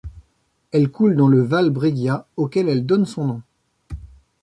Elle coule dans le Val Breggia, auquel elle donne son nom.